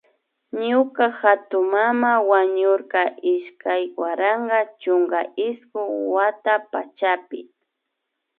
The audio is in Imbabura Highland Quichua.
Ñuka hatunmana wañurka iskay waranka chunka iskun wata pachapi